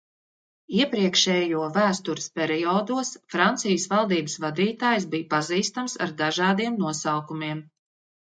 Iepriekšējo vēstures periodos Francijas valdības vadītājs bija pazīstams ar dažādiem nosaukumiem.